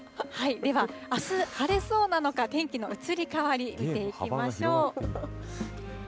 では、あす、晴れそうなのか、天気の移り変わり、見ていきましょう。